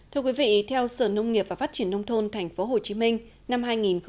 thưa quý vị theo sở nông nghiệp và phát triển nông thôn tp hcm năm hai nghìn một mươi chín